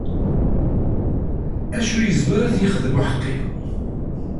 Acu yezmer ad t-ixdem uḥeqqi?